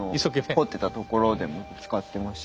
掘ってたところでも使ってました。